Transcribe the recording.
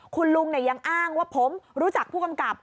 คุณลุงยังอ้างว่าผมรู้จักผู้กำกับ